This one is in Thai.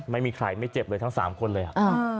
ไม่มีใครไม่เจ็บเลยทั้ง๓คนเลยอ่ะ